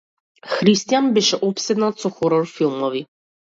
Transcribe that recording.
Христијан беше опседнат со хорор филмови.